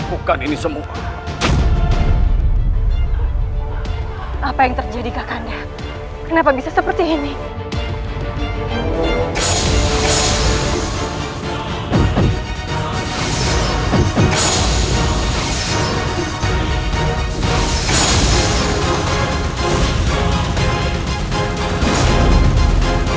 kian santang berubah wujud